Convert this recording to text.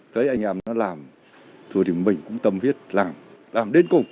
thấy anh em nó làm rồi thì mình cũng tâm viết làm đến cùng